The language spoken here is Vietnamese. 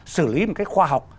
sử lý một cái khoa học